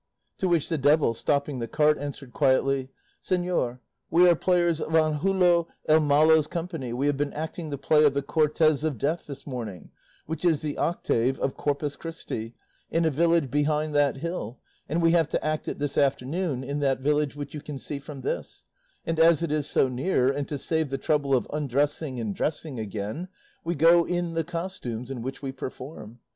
To which the devil, stopping the cart, answered quietly, "Señor, we are players of Angulo el Malo's company; we have been acting the play of 'The Cortes of Death' this morning, which is the octave of Corpus Christi, in a village behind that hill, and we have to act it this afternoon in that village which you can see from this; and as it is so near, and to save the trouble of undressing and dressing again, we go in the costumes in which we perform.